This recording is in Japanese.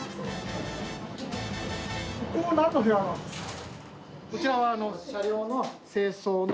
ここは何の部屋なんですか？